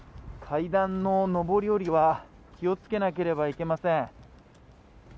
階段の上り下りは気をつけなければいけません。